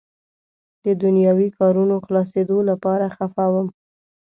د دنیاوي کارونو خلاصېدو لپاره خفه وم.